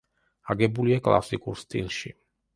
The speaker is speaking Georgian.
აგებულია კლასიკურ სტილში.